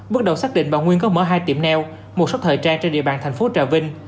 bước đầu xác định bà nguyên có mở hai tiệm neo một số thời trang trên địa bàn thành phố trà vinh